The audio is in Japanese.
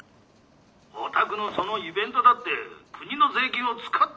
「お宅のそのイベントだって国の税金を使ってるわけでしょう？」。